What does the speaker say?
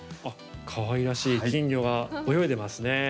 かわいらしい金魚が泳いでますね。